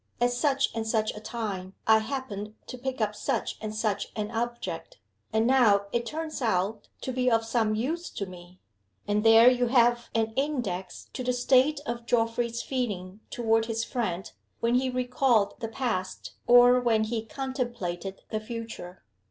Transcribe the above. at such and such a time I happened to pick up such and such an object; and now it turns out to be of some use to me!" and there you have an index to the state of Geoffrey's feeling toward his friend when he recalled the past or when he contemplated the future.